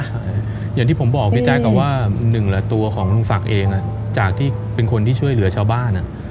ใช่อย่างที่ผมบอกพี่แจ๊คกับว่าหนึ่งละตัวของลุงศักดิ์เองจากที่เป็นคนที่ช่วยเหลือชาวบ้าน